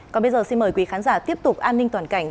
còn bây giờ xin mời quý khán giả tiếp tục an ninh toàn cảnh